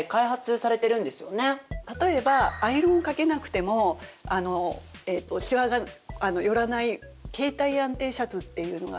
例えばアイロンかけなくてもシワがよらない形態安定シャツっていうのがあります。